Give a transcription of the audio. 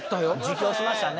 自供しましたね。